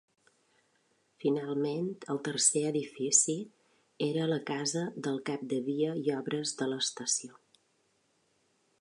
Finalment, el tercer edifici era la casa del cap de via i obres de l'estació.